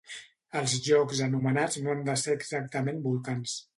Els llocs anomenats no han de ser exactament volcans.